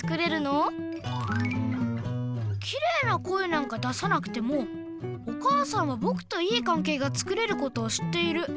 うんキレイな声なんか出さなくてもお母さんはぼくといい関係がつくれることを知っている。